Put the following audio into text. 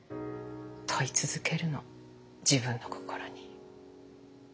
問い続けるの自分の心に。